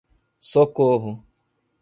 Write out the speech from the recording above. Socorro